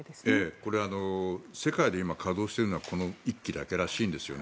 これ世界で今稼働しているのはこの１基だけらしいんですよね。